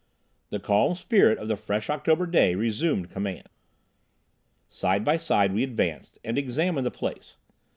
The calm spirit of the fresh October day resumed command. Side by side we advanced and examined the place.